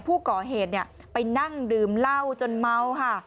ผู้ก่อเหตุไปนั่งดื่มเหล้าจนเมาค่ะ